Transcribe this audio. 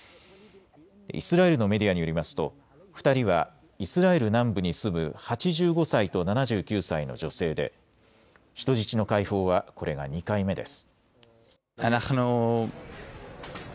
イスラエルのメディアによりますと２人はイスラエル南部に住む８５歳と７９歳の女性で人質の解放はこれが２回目です。